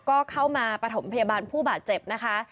ก็เข้ามาปฐมพยาบาลผู้บาดเจ็บนะคะ